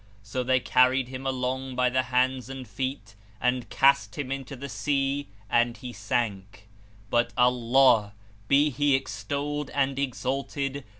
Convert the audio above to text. So they carried him along by the hands and feet and cast him into the sea and he sank; but Allah (be He extolled and exalted!)